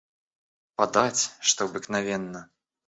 Подать, что обыкновенно.